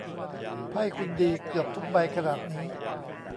ไพ่คุณดีเกือบทุกใบขนาดนี้